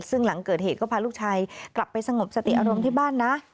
ซึ่งหลังเกิดเหตุก็พาลูกชายกลับไปสงบสติอารมณ์ที่บ้านนะ